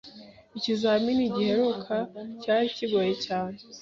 Ikizamini giheruka cyari kigoye cyane.